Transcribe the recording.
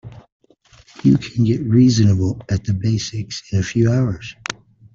You can get reasonable at the basics in a few hours.